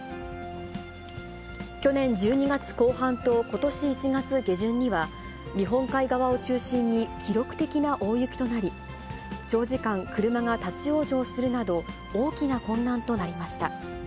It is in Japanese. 去年１２月後半と、ことし１月下旬には、日本海側を中心に記録的な大雪となり、長時間、車が立往生するなど、大きな混乱となりました。